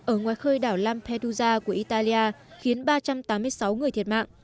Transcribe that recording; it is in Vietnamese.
ở ngoài khơi đảo lampeduza của italia khiến ba trăm tám mươi sáu người thiệt mạng